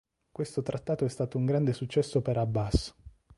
Questo trattato è stato un grande successo per Abbas.